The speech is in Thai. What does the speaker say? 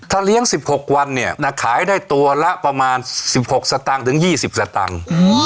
ถ้าเลี้ยงสิบหกวันเนี่ยขายได้ตัวละประมาณสิบหกสตังค์ถึงยี่สิบสตังค์